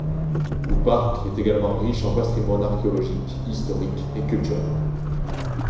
Le parc est également riche en patrimoine archéologique, historique et culturel.